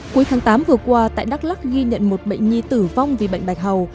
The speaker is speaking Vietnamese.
cuối tháng tám vừa qua tại đắk lắc ghi nhận một bệnh nhi tử vong vì bệnh bạch hầu